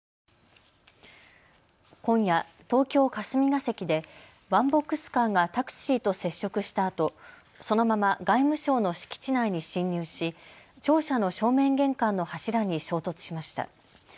今夜、東京霞が関でワンボックスカーがタクシーと接触したあとそのまま外務省の敷地内に侵入し庁舎の正面玄関の柱に衝突しました。